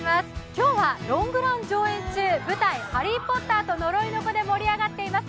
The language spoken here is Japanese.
今日はロングラン上演中、舞台「ハリー・ポッターと呪いの子」で盛り上がっています